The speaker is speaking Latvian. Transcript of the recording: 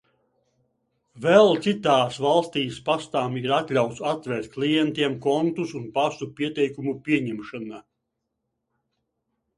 Vēl citās valstīs pastam ir atļauts atvērt klientiem kontus un pasu pieteikumu pieņemšana.